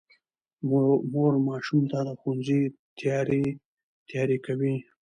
مور ماشوم ته د ښوونځي تیاری کوي